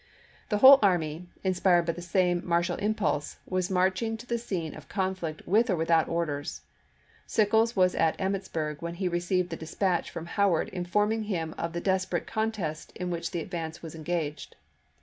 The whole army, inspired by the same martial impulse, was marching to the scene of conflict with or without orders. Sickles was at Emmitsburg when he received the dispatch from Howard informing him of the desperate contest in which the advance was engaged.